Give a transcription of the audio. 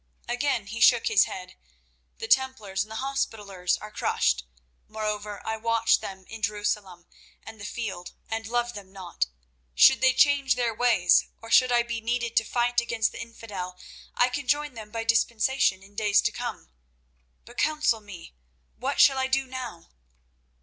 Again he shook his head. "The Templars and the Hospitallers are crushed. Moreover, I watched them in Jerusalem and the field, and love them not. Should they change their ways, or should I be needed to fight against the Infidel, I can join them by dispensation in days to come. But counsel me—what shall I do now?"